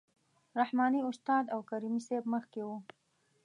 رحماني استاد او کریمي صیب مخکې وو.